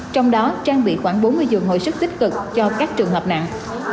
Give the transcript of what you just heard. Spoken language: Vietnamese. trong đó trang bị khoảng bốn mươi giường hồi sức tích cực cho các trường hợp nặng